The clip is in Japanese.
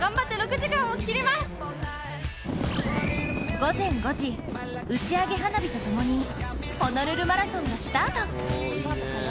午前５時、打ち上げ花火とともにホノルルマラソンがスタート。